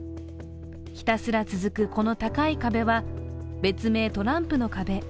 ひたすら続くこの高い壁は別名・トランプの壁。